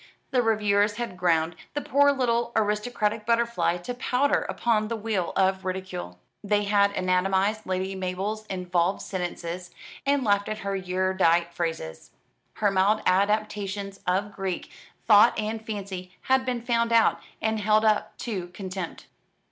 The reviewers had ground the poor little aristocratic butterfly to powder upon the wheel of ridicule. They had anatomised Lady Mabel's involved sentences, and laughed at her erudite phrases. Her mild adaptations of Greek thought and fancy had been found out, and held up to contempt.